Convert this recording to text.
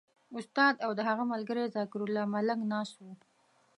استاد او د هغه ملګری ذکرالله ملنګ ناست وو.